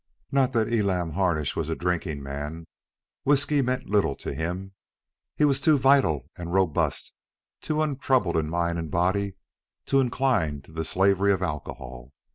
Not that Elam Harnish was a drinking man. Whiskey meant little to him. He was too vital and robust, too untroubled in mind and body, to incline to the slavery of alcohol.